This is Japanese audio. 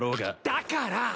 だから。